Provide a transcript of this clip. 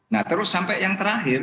nah terus sampai yang terakhir